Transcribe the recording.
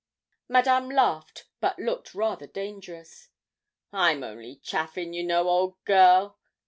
Madame laughed, but looked rather dangerous. 'I'm only chaffin', you know, old girl.